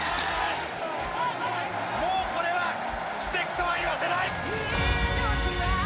もう、これは奇跡とは言わせない！